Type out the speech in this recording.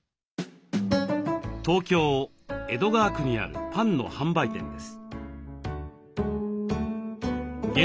東京・江戸川区にあるパンの販売店です。